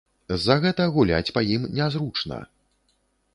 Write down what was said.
З-за гэта гуляць па ім нязручна.